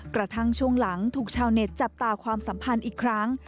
กระทั่งช่วงหลังถูกชาวเน็ตจับตาความสัมพันธ์อีกครั้ง